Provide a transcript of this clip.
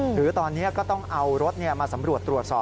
หรือตอนนี้ก็ต้องเอารถมาสำรวจตรวจสอบ